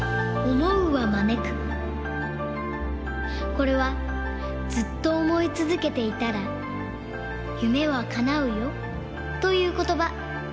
これは「ずっと思いつづけていたらゆめはかなうよ」ということば。